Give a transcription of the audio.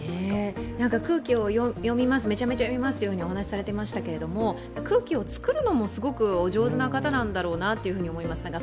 空気をめちゃめちゃ読みますとお話しされていましたけれども空気を作るのも、すごくお上手な方なんだろうなと思います。